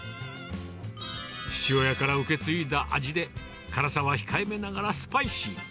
父親から受け継いだ味で、辛さは控えめながらスパイシー。